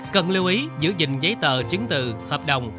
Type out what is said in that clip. cần lưu ý giữ gìn giấy tờ chứng từ hợp đồng